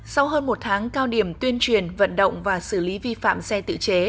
sau hơn một tháng cao điểm tuyên truyền vận động và xử lý vi phạm xe tự chế